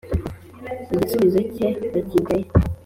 igisubizo cye bakigaye